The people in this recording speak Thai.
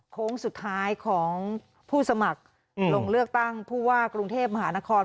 โค้งสุดท้ายของผู้สมัครลงเลือกตั้งผู้ว่ากรุงเทพมหานคร